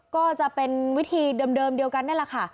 ก็จะเป็นวิธีเดิมเดียวกันนั่นแหละค่ะ